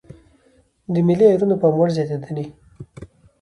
د ملي ايرونو پاموړ زياتېدنې.